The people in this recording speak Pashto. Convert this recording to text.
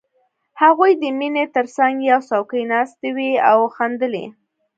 هغوی د مينې تر څنګ پر څوکۍ ناستې وې او خندلې